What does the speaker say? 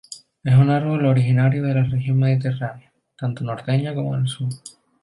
Es un árbol originario de la región mediterránea, tanto norteña como del sur.